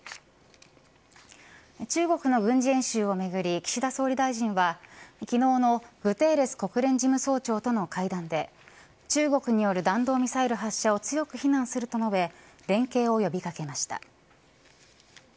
中国の軍事演習をめぐり岸田総理大臣は昨日のグテーレス国連事務総長との会談で中国による弾道ミサイル発射を強く非難すると述べ連携を呼び掛けました。